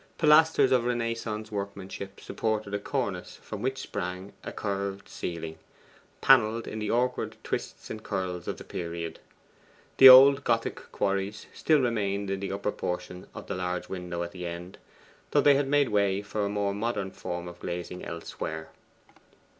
Pilasters of Renaissance workmanship supported a cornice from which sprang a curved ceiling, panelled in the awkward twists and curls of the period. The old Gothic quarries still remained in the upper portion of the large window at the end, though they had made way for a more modern form of glazing elsewhere.